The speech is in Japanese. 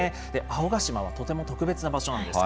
青ヶ島はとても特別な場所なんです。